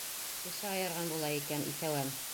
Кеше айырған була икән, иҫәүән!